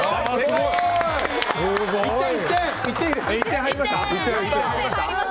１点入りました？